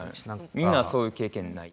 みんなそういう経験ない？